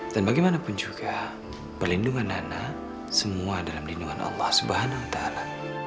dan bagaimanapun juga perlindungan nana semua dalam lindungan allah subhanahu wa ta'ala